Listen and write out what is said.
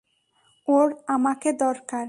ওর আমাকে দরকার।